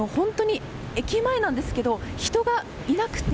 駅前なんですが人がいなくて。